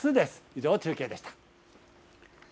以上、中継でした。